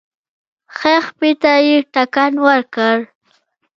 ښی پښې ته يې ټکان ورکړ.